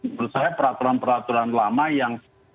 menurut saya peraturan peraturan lama yang